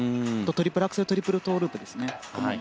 トリプルアクセルトリプルトウループですね。